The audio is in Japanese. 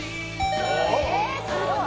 えっすごい